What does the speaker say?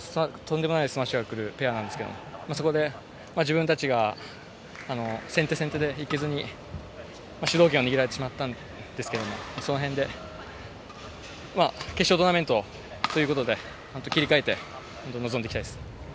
中国ペアは長身のとんでもないスマッシュが来るペアなんで、自分たちが先手先手で行けずに主導権を握られてしまったんですけど決勝トーナメントということで、切り替えて臨んでいきたいですね。